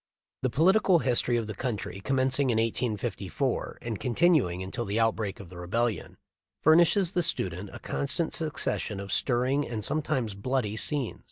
The political history of the country, commencing in 1854 and continuing until the outbreak of the Rebellion, furnishes the student a constant succes sion of stirring and sometimes bloody scenes.